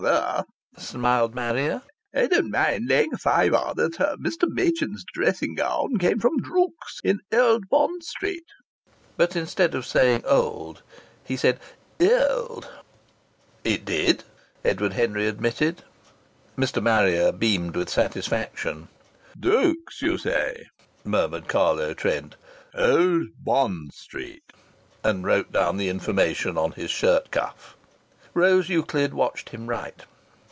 "Rather!" smiled Harrier. "I don't mind laying a fiver that Mr. Machin's dressing gown came from Drook's in Old Bond Street." But instead of saying "Old" he said "Ehoold." "It did," Edward Henry admitted. Mr. Marrier beamed with satisfaction. "Drook's, you say," murmured Carlo Trent. "Old Bond Street," and wrote down the information on his shirt cuff. Rose Euclid watched him write.